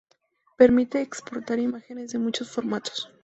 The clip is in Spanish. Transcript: Permite exportar imágenes de muchos formatos.